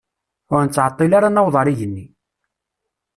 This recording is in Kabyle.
Ur nettɛeṭṭil ara ad naweḍ ar igenni.